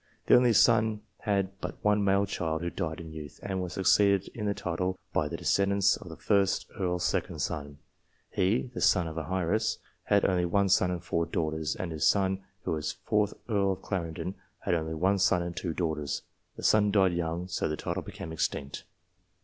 This only son had but one male child, who died in youth, and was succeeded in the title by the descendants of the 1st Earl's second son. He (the son of an heiress) had only one son and four daughters, and this son, who was 4th Earl of Clarendon, had only one son and two daughters. The son died young, so the title became extinct.